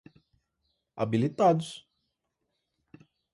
habilitados